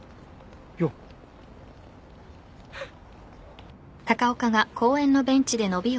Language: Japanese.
よっ。